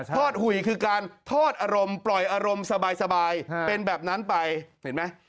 อดหุยคือการทอดอารมณ์ปล่อยอารมณ์สบายเป็นแบบนั้นไปเห็นไหม